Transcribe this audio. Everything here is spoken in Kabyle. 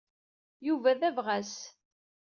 Yuba d abɣas.